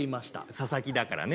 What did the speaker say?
佐々木だからね。